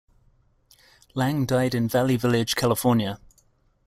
Lang died in Valley Village, California.